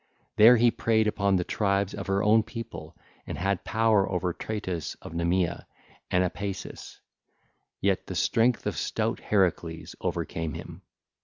There he preyed upon the tribes of her own people and had power over Tretus of Nemea and Apesas: yet the strength of stout Heracles overcame him.